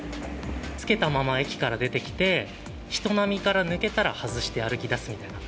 着けたまま駅から出てきて、人波から抜けたら外して歩きだすみたいな。